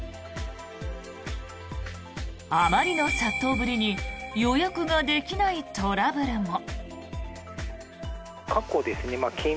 あまりの殺到ぶりに予約ができないトラブルも。